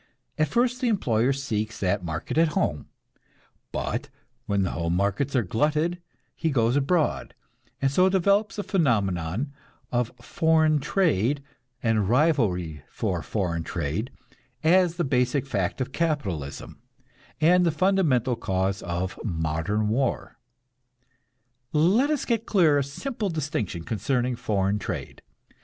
At first the employer seeks that market at home; but when the home markets are glutted, he goes abroad; and so develops the phenomenon of foreign trade and rivalry for foreign trade, as the basic fact of capitalism, and the fundamental cause of modern war. Let us get clear a simple distinction concerning foreign trade.